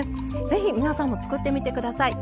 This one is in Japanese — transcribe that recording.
是非皆さんも作ってみて下さい。